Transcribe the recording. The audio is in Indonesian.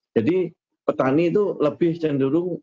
jadi petani itu lebih cenderung